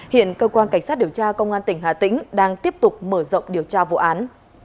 hiện cơ quan cảnh sát điều tra công an tỉnh hà tĩnh đang tiếp tục mở rộng điều tra vụ án